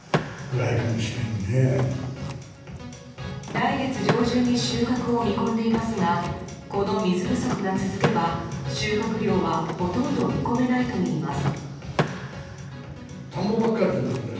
来月上旬に収穫を見込んでいますがこの水不足が続けば収穫量はほとんど見込めないといいます。